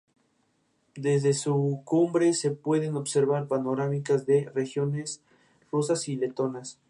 Posteriormente Oñate redactó los reglamentos que tenían validez oficial.